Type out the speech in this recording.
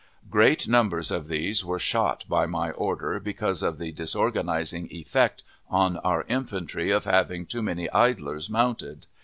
Great numbers of these were shot by my order, because of the disorganizing effect on our infantry of having too many idlers mounted.